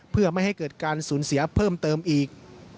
เพื่อไม่ให้เกิดการสูญเสียเพิ่มเติมอีก